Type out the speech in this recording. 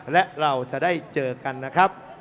และเราจะได้เจอกันนะครับ